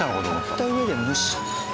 貼った上で蒸し。